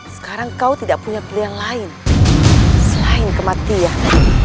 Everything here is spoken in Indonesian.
sekarang kau tidak punya pilihan lain selain kematian